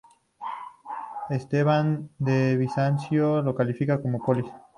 Esteban de Bizancio la califica como polis.